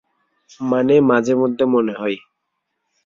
মানে, মাঝেমধ্যে মনে হয়।